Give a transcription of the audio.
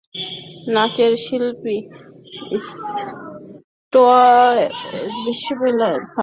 নাচের শিল্পী, ইস্টওয়েস্ট বিশ্ববিদ্যালয়ের ছাত্রী সোমেশ্বরী পারমিতার কাছেও নজরুলের গান খুব প্রিয়।